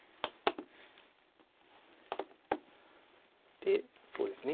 でそうですね